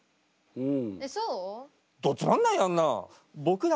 うん。